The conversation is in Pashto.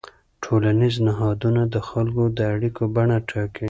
ټولنیز نهادونه د خلکو د اړیکو بڼه ټاکي.